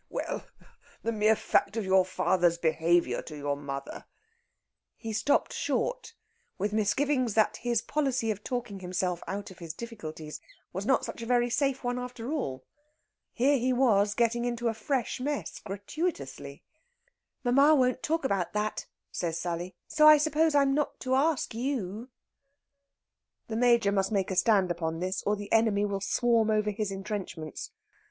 Well, the mere fact of your father's behaviour to your mother...." He stopped short, with misgivings that his policy of talking himself out of his difficulties was not such a very safe one, after all. Here he was, getting into a fresh mess, gratuitously! "Mamma won't talk about that," says Sally, "so I suppose I'm not to ask you." The Major must make a stand upon this, or the enemy will swarm over his entrenchments.